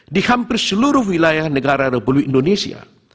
di hampir seluruh wilayah negara republik indonesia